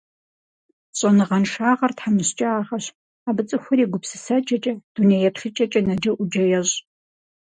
Щӏэныгъэншагъэр – тхьэмыщкӀагъэщ, абы цӀыхур и гупсысэкӀэкӀэ, дунейеплъыкӀэкӀэ нэджэӀуджэ ещӀ.